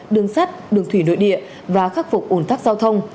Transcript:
đường sắt đường thủy nội địa và khắc phục ổn thắc giao thông